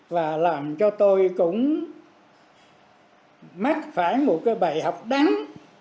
và làm cho tôi cũng mắc phải một cái bài học đắng